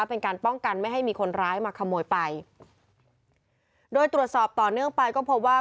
เป็นการป้องกันไม่ให้มีคนร้ายมาขโมยไปโดยตรวจสอบต่อเนื่องไปก็พบว่า